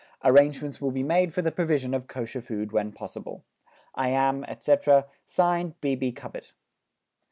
Arrangements will be made for the provision of Kosher food when possible. I am, etc., (Signed) B. B. CUBITT.